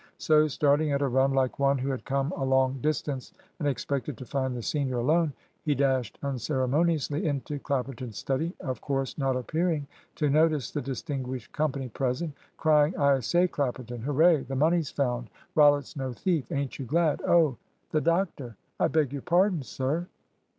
So, starting at a run like one who had come a long distance and expected to find the senior alone, he dashed unceremoniously into Clapperton's study, of course not appearing to notice the distinguished company present, crying "I say, Clapperton. Hooray! The money's found. Rollitt's no thief. Ain't you glad! Oh, the doctor! I beg your pardon, sir."